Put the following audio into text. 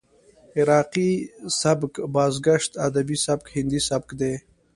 عراقي سبک، بازګشت ادبي سبک، هندي سبک دى.